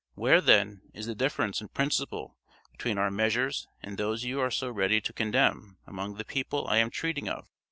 Where, then, is the difference in principle between our measures and those you are so ready to condemn among the people I am treating of?